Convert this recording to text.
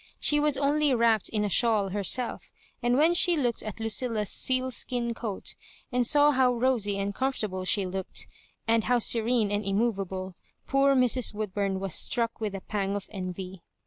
She was only wrapped in a shawl herself, and when she looked at Lucilla's sealskin coat, and saw how rosy and comfortable she looked, alid how serene and immovable, poor Mrs. Woodbum was strack with a pang of envy.